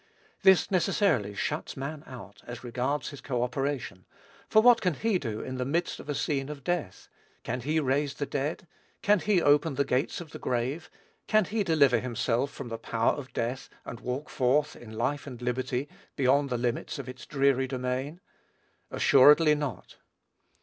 This necessarily shuts man out, as regards his co operation, for what can he do in the midst of a scene of death? Can he raise the dead? Can he open the gates of the grave? Can he deliver himself from the power of death, and walk forth, in life and liberty, beyond the limits of its dreary domain? Assuredly not.